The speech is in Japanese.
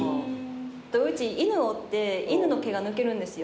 うち犬おって犬の毛が抜けるんですよ。